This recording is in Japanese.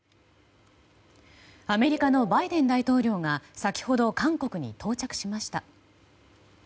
アメリカのバイデン大統領が先ほど韓国に到着しました。